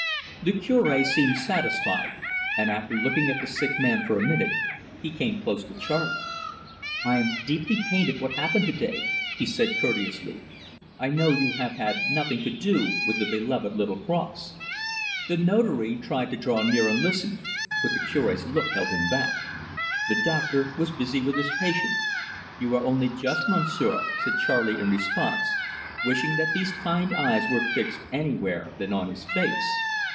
The Cure seemed satisfied, and after looking at the sick man for a moment, he came close to Charley. "I am deeply pained at what happened to day," he said courteously. "I know you have had nothing to do with the beloved little cross." The Notary tried to draw near and listen, but the Cure's look held him back. The doctor was busy with his patient. "You are only just, Monsieur," said Charley in response, wishing that these kind eyes were fixed anywhere than on his face.